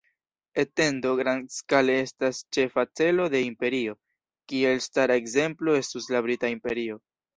Etendo grandskale estas ĉefa celo de imperio, kies elstara ekzemplo estus la Brita Imperio.